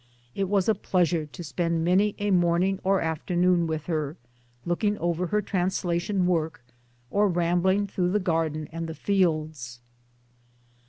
It was a pleasure to spend many a morning or afternoon with her, looking over her translation work or rambling through the garden and the fields.